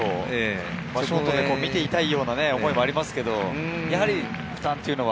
ショートで見ていたような思いもありますけど、やはり負担は？